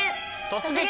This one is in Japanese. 「突撃！